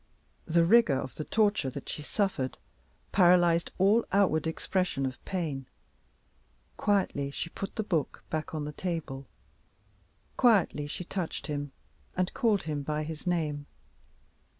The rigor of the torture that she suffered paralyzed all outward expression of pain. Quietly she put the book back on the table. Quietly she touched him, and called him by his name.